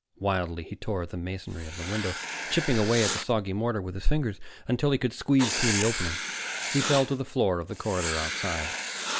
Wildly, he tore at the masonry of the window, chipping away at the soggy mortar with his fingers until he could squeeze through the opening. He fell to the floor of the corridor outside.